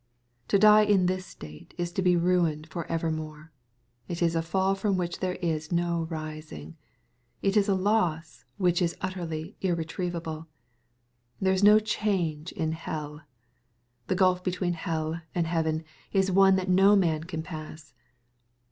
To die in this state is to be ruined for ever more. It is a fall from which therejsjio rising. It is a loss which is utterly irretrievable. There is no change in hell. The gulf between hell and heaven is one that no man can pass.